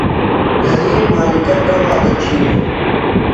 گھئی مالِکہ گہ وعدہ تِھیلوۡ؟